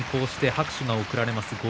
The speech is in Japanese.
拍手が送られます。